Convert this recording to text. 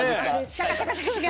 シャカシャカシャカシャカ。